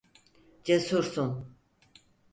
Cesursun.